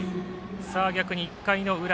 逆に１回の裏。